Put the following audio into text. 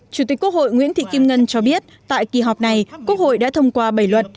chủ tịch quốc hội nguyễn thị kim ngân cho biết tại kỳ họp này quốc hội đã thông qua bảy luật